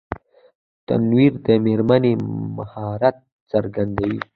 تنور د مېرمنې مهارت څرګندوي